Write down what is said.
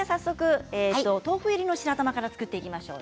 お豆腐入りの白玉からやっていきましょう。